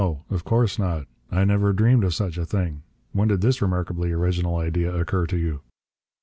Of course not. I never dreamed of such a thing. When did this remarkably original idea occur to you?"